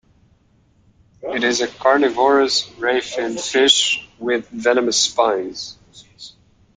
It is a carnivorous ray-finned fish with venomous spines.